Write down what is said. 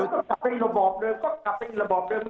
ก็กลับเป็นระบอบเดิมมันก็เหมือนที่สั่งกลับที่บริษัทห้าเหมือนเดิม